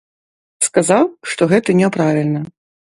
Сказаў, што гэта няправільна.